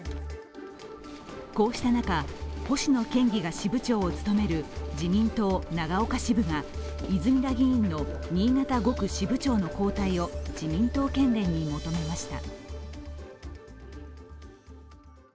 こうした中、星野県議が支部長を務める自民党長岡支部が泉田議員の新潟５区支部長の交代を自民党県連に求めました。